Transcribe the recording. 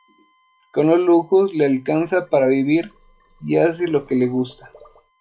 Con los lujos, le alcanza para vivir y hace lo que le gusta.